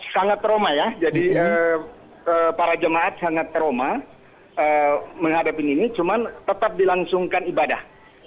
sangat trauma ya jadi para jemaat sangat trauma menghadapi ini cuma tetap dilangsungkan ibadah